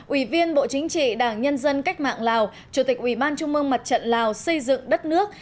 ủy viên bộ chính trị đảng nhân dân cách mạng lào chủ tịch ủy ban trung mương mặt trận lào xây dựng đất nước